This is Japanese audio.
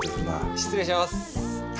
失礼します！